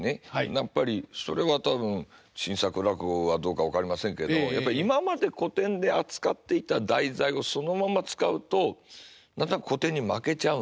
やっぱりそれは多分新作落語がどうか分かりませんけども今まで古典で扱っていた題材をそのまま使うと何となく古典に負けちゃうので。